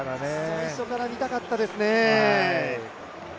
最初から見たかったですね。